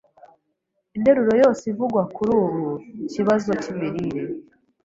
Interuro yose ivugwa kuri buri kibazo cy’imirire